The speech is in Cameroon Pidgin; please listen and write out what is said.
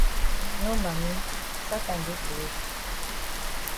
No mami Satan dey for road.